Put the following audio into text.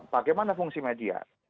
bagaimana fungsi media